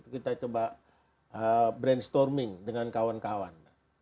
kita coba brainstorming dengan kawan kawan